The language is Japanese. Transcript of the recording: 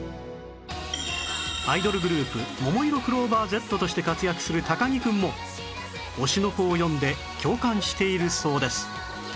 アイドルグループももいろクローバー Ｚ として活躍する高城くんも『推しの子』を読んで共感しているそうです